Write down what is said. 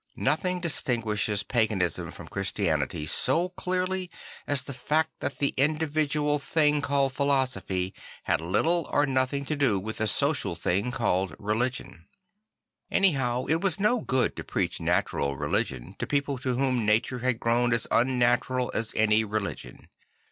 Nothing distinguishes paganism from Christianity so clearly as the fact that the individual thing called philosophy had little or nothing to do with 'Ihe IV orid St. Francis Found 33 the social thing called religion. Anyhow it was no good to preach natural religion to people to whom nature had grown as unnatural as any religion.